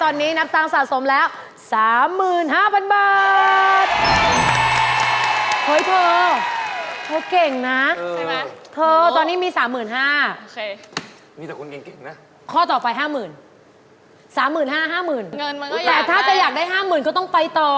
เงินมันก็อยากได้นะนะครับแต่ถ้าจะอยากได้ห้ามหมื่นเขาต้องไปต่อ